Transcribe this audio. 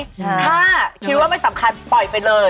ถ้าคิดว่าไม่สำคัญปล่อยไปเลย